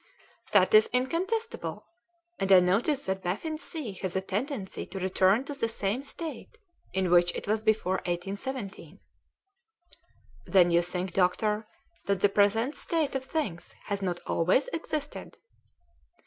"That is incontestable, and I notice that Baffin's Sea has a tendency to return to the same state in which it was before 1817." "Then you think, doctor, that the present state of things has not always existed?"